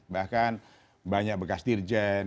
bahkan banyak bekas dirjen